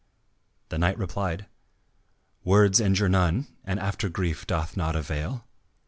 The knight replied, "Words injure none, And after grief doth not avail.